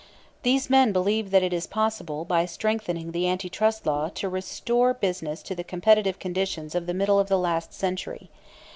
These men believe that it is possible by strengthening the Anti Trust Law to restore business to the competitive conditions of the middle of the last century.